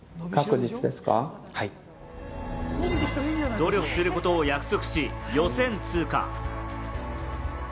努力することを約束し、予選通過。